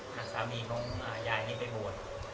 นักมีของยายนี้ไปบวด